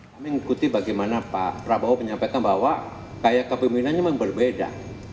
kami mengikuti bagaimana pak prabowo menyampaikan bahwa gaya kepemimpinannya memang berbeda